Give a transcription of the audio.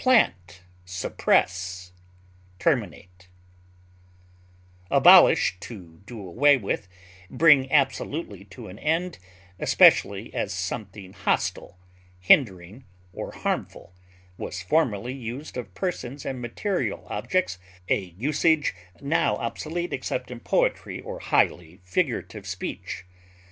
end, overthrow, set aside, Abolish, to do away with, bring absolutely to an end, especially as something hostile, hindering, or harmful, was formerly used of persons and material objects, a usage now obsolete except in poetry or highly figurative speech.